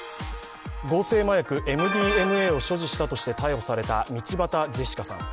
合成麻薬ＭＤＭＡを所持としたとして逮捕された道端ジェシカさん。